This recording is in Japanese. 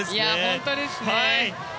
本当ですね。